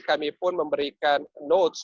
kami pun memberikan notes